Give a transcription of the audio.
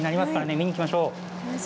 見に行きましょう。